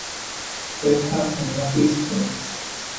Their terms had no fixed limits.